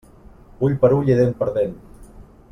Ull per ull i dent per dent.